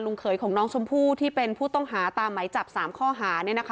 เขยของน้องชมพู่ที่เป็นผู้ต้องหาตามไหมจับ๓ข้อหา